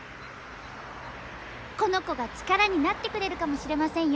この子が力になってくれるかもしれませんよ。